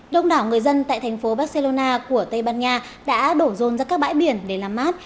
đông đảo người dân tại thành phố barcelona của tây ban nha đã đổ rôn ra các bãi biển để làm mát